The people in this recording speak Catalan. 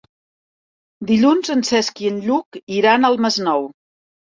Dilluns en Cesc i en Lluc iran al Masnou.